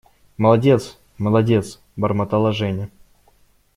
Молодец, молодец… – бормотала Женя.